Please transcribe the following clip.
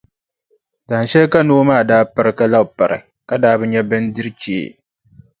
Dahinshɛli ka noo maa daa pari ka labi pari ka daa bi nya bindirʼ chee.